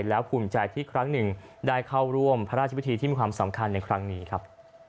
แล้วภูมิใจที่ครั้งหนึ่งได้เข้าร่วมพระราชพิธีที่มีความสำคัญในครั้งนี้ครับ